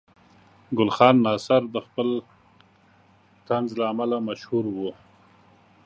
ګل خان ناصر د خپل طنز له امله مشهور و.